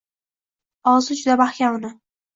Og‘zi juda mahkam uni.